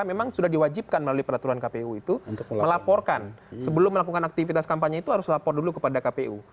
memang sudah diwajibkan melalui peraturan kpu itu melaporkan sebelum melakukan aktivitas kampanye itu harus lapor dulu kepada kpu